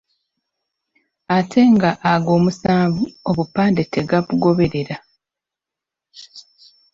Ate nga ago omusanvu obupande tegabugoberera.